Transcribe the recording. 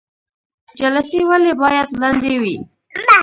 جلسې ولې باید لنډې وي؟